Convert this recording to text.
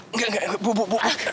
enggak enggak bu bu bu